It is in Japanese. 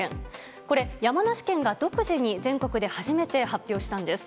これ、山梨県が独自に全国で初めて発表したんです。